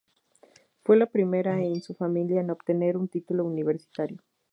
Fue la primera en su familia en obtener un título universitario.